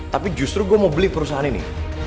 tapi justru gue mau beli perusahaan ini